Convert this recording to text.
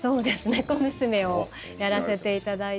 ねこ娘をやらせて頂いて。